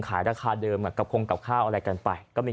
ขายราคาเดิมมึงกับกับข้าวอะไรกันไป